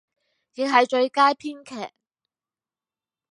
亦係最佳編劇